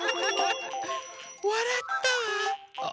わらったわ！